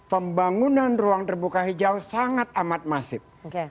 pembangunan ruang terbuka hijau sangat amat masif